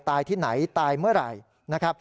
ตายที่ไหนตายเมื่อไหร่